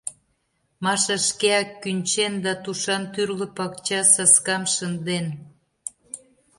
Маша шкеак кӱнчен да тушан тӱрлӧ пакча саскам шынден.